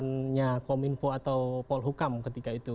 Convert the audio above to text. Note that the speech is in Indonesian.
dengan harapannya kominfo atau polhukam ketika itu